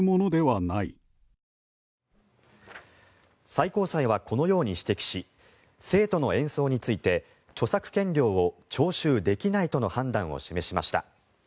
最高裁はこのように指摘し生徒の演奏について著作権料を徴収できないとの判断を示しました。